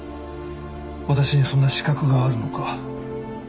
私にそんな資格があるのか。